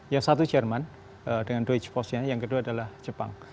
yang satu jerman dengan doge force nya yang kedua adalah jepang